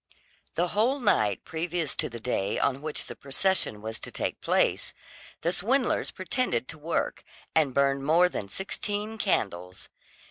The whole night previous to the day on which the procession was to take place, the swindlers pretended to work, and burned more than sixteen candles.